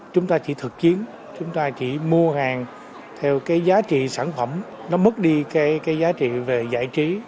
chúng ta chỉ thực chiến chúng ta chỉ mua hàng theo cái giá trị sản phẩm nó mất đi cái giá trị về giải trí